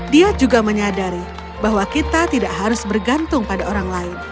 dia juga menyadari bahwa kita tidak harus bergantung pada orang lain